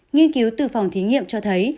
nghiên cứu từ phòng thí nghiệm cho thấy